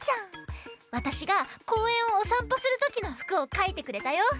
わたしがこうえんをおさんぽするときのふくをかいてくれたよ。